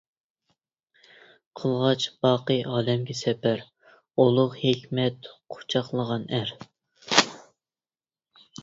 قىلغاچ باقى ئالەمگە سەپەر، ئۇلۇغ ھېكمەت قۇچاقلىغان ئەر.